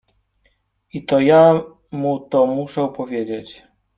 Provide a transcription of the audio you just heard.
I to ja mu to muszę powiedzieć.